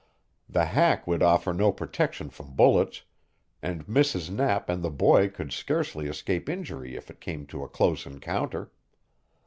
The hack would offer no protection from bullets, and Mrs. Knapp and the boy could scarcely escape injury if it came to a close encounter.